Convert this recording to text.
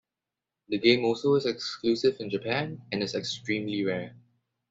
The game also is exclusive in Japan, and is extremely rare.